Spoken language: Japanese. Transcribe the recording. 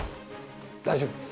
大丈夫！